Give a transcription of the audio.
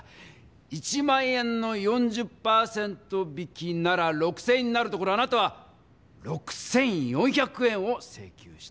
１００００円の４０％引きなら６０００円になるところあなたは６４００円をせいきゅうした。